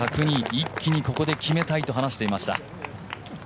一気にここで決めたいと話していました。